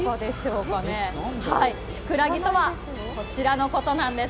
フクラギとはこちらのことなんです。